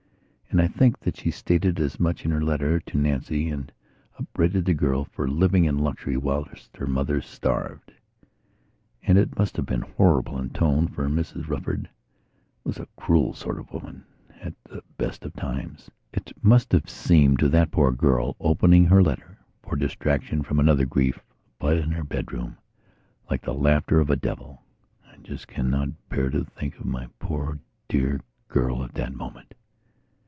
And I think that she stated as much in her letter to Nancy and upbraided the girl with living in luxury whilst her mother starved. And it must have been horrible in tone, for Mrs Rufford was a cruel sort of woman at the best of times. It must have seemed to that poor girl, opening her letter, for distraction from another grief, up in her bedroom, like the laughter of a devil. I just cannot bear to think of my poor dear girl at that moment....